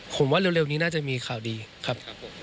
ผมว่าเร็วนี้น่าจะมีข่าวดีครับผม